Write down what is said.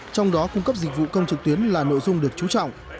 trong đó cung cấp dịch vụ công trực tuyến là nội dung được trú trọng